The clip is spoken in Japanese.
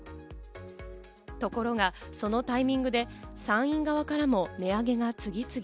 ところがそのタイミングで産院側からも値上げが次々。